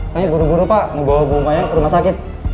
saya buru buru pak mau bawa bumayang ke rumah sakit